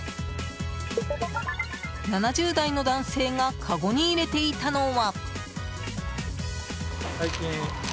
７０代の男性がかごに入れていたのは。